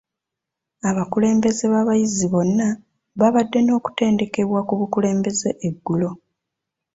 Abakulembeze b'abayizi bonna baabadde n'okutendekwa ku bukulembeze eggulo.